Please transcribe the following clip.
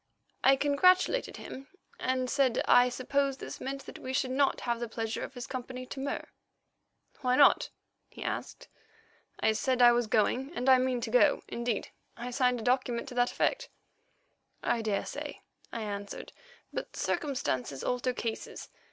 I congratulated him and said I supposed this meant that we should not have the pleasure of his company to Mur. "Why not?" he asked. "I said I was going and I mean to go; indeed, I signed a document to that effect." "I daresay," I answered, "but circumstances alter cases.